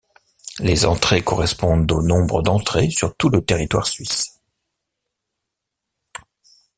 Les entrées correspondent au nombre d'entrées sur tout le territoire suisse.